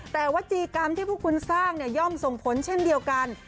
แต่วัจจีกรรมที่พวกคุณสร้างย่อมส่งผลเช่นเดียวกัน